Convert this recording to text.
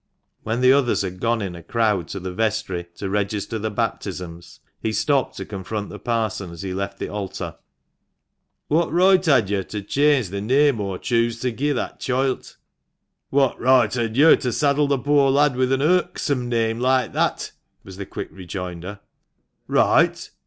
When the others had gone in a crowd to the vestry to register the baptisms, he stopped to confront the parson as he left the altar. " What roight had yo' to change the neame aw chuse to gi'e that choilt ?"" What right had yo' to saddle the poor lad with an Irksome name like that ?" was the quick rejoinder. " Roight